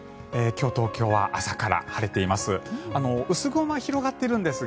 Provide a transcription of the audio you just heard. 今日、東京は朝から晴れています。